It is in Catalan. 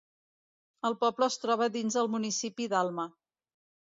El poble es troba dins del municipi d'Alma.